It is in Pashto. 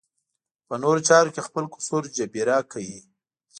په نورو چارو کې خپل قصور جبېره کوي.